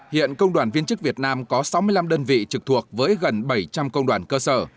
hiện công đoàn viên chức việt nam có sáu mươi năm đơn vị trực thuộc với gần bảy trăm linh công đoàn cơ sở